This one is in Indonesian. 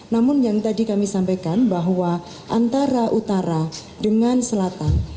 namun yang tadi kami sampaikan bahwa antara utara dengan selatan